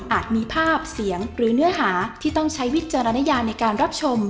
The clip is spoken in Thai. มีภาพเสียงหรือเนื้อหาที่ต้องใช้วิจารณญาในการรับชม